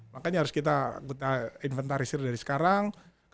makanya harus kita inventarisir dari sekarang